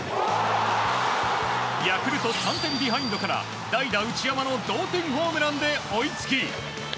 ヤクルト３点ビハインドから代打、内山の同点ホームランで追いつき。